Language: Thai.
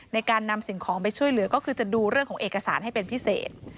ในการนำสิ่งของไปช่วยเหลือก็คือจะดูเรื่องของเอกสารให้เป็นพิเศษ